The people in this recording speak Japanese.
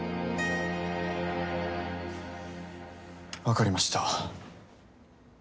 わかりました。